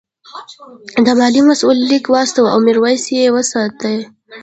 د مالیې مسوول لیک واستاوه او میرويس یې وستایه.